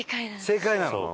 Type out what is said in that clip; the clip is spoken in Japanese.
正解なの。